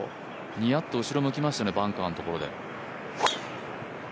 にやっと後ろ向きましたね、バンカーのところで。